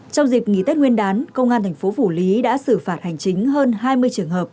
trong dịp nghỉ tết nguyên đán công an thành phố phủ lý đã xử phạt hành chính hơn hai mươi trường hợp